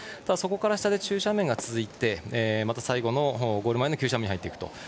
ただそこから下で中斜面が続いてまた最後の、ゴール前の急斜面に入っていくと。